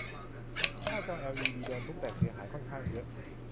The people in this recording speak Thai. หน้าจอแอลอีดีโดนทุบแตกเสียหายค่อนข้างเยอะ